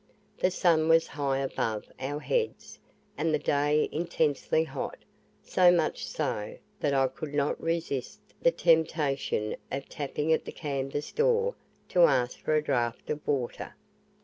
The sun was high above our heads, and the day intensely hot; so much so, that I could not resist the temptation of tapping at the canvas door to ask for a draught of water.